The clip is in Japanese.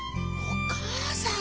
お義母さん！